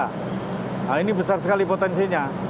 nah ini besar sekali potensinya